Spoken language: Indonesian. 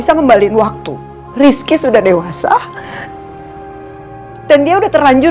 saya yakin suatu saat nanti